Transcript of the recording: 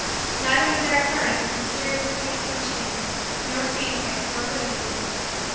Neither was there a furnace with mysterious cranks and chains nor steam pipes nor radiators.